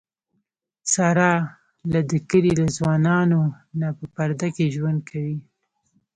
ساره له د کلي له ځوانانونه په پرده کې ژوند کوي.